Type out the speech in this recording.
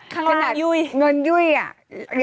ข้างหลังเงินยุ่ยเงินยุ่ยอ่ะ